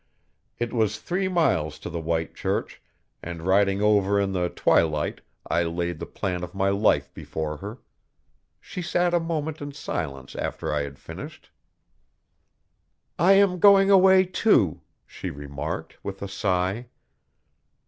It was three miles to the white Church, and riding over in the twilight I laid the plan of my life before her. She sat a moment in silence after I had finished. 'I am going away, too,' she remarked, with a sigh.